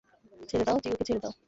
ছেড়ে দাও, চিকুকে ছেড়ে দাও।